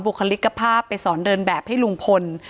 คลิกภาพไปสอนเดินแบบให้ลุงพล